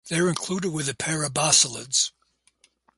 They are included with the Parabasalids.